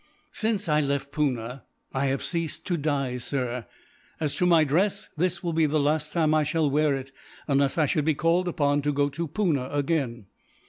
"Since I left Poona I have ceased to dye, sir; as to my dress, this will be the last time I shall wear it, unless I should be called upon to go to Poona again."